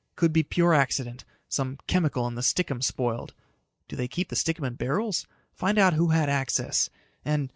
Could be pure accident some chemical in the stickum spoiled. Do they keep the stickum in barrels? Find out who had access. And